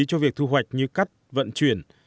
cho việc thu hoạch như cắt vận chuyển